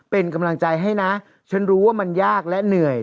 เป็นกำลังใจให้นะฉันรู้ว่ามันยากและเหนื่อย